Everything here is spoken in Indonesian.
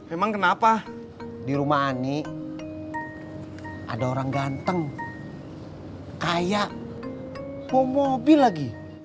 emang kenapa di rumah ani ada orang ganteng kayak mau mobil lagi